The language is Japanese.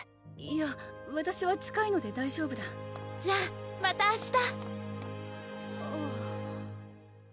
いやわたしは近いので大丈夫だじゃあまた明日！